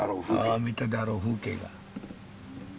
ああ見たであろう風景が。